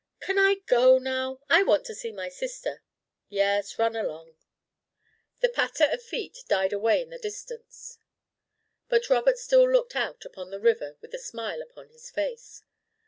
"Can I go now? I want to see my sister." "Yes, run along." The patter of feet died away in the distance, but Robert still looked out upon the river with a smile upon his face.